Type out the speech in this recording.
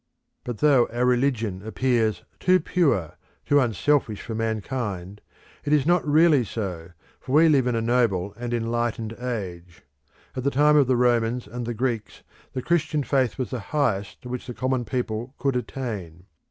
But though our religion appears too pure, too unselfish for mankind, it is not really so, for we live in a noble and enlightened age. At the time of the Romans and the Greeks the Christian faith was the highest to which the common people could attain.